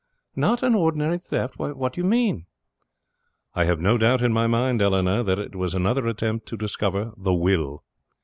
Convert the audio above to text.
"Not an ordinary theft! What do you mean?" "I have no doubt in my mind, Eleanor, that it was another attempt to discover the will."